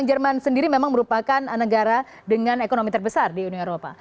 jerman sendiri memang merupakan negara dengan ekonomi terbesar di uni eropa